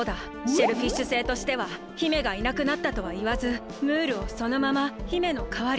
シェルフィッシュ星としては姫がいなくなったとはいわずムールをそのまま姫のかわりとしてそだてたのだ。